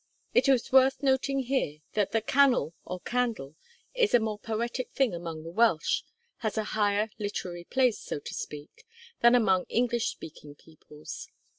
It is worth noting here that the canwyll, or candle, is a more poetic thing among the Welsh has a higher literary place, so to speak than among English speaking peoples.